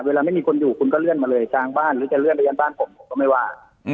ไม่มีคนอยู่คุณก็เลื่อนมาเลยกลางบ้านหรือจะเลื่อนไปยังบ้านผมผมก็ไม่ว่า